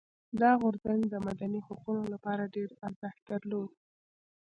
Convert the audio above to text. دا غورځنګ د مدني حقونو لپاره ډېر ارزښت درلود.